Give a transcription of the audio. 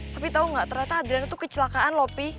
tapi tau gak ternyata adrena tuh kecelakaan lho pi